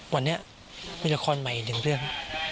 วันนี้มีละครใหม่อีกหนึ่งเรื่อง